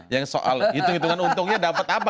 yang soal hitung hitungan untungnya dapat apa